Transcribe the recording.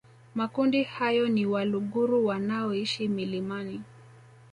Makundi hayo ni Waluguru wanaoishi milimani